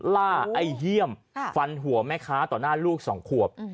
ไอ้เฮี่ยมฟันหัวแม่ค้าต่อหน้าลูกสองขวบ